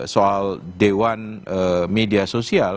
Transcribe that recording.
soal dewan media sosial